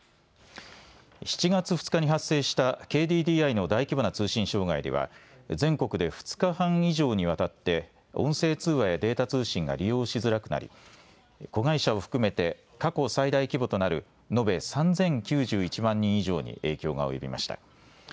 ７月２日に発生したＫＤＤＩの大規模な通信障害では全国で２日半以上にわたって音声通話やデータ通信が利用しづらくなり子会社を含めて過去最大規模となる延べ３０９１万人以上に影響が及びました。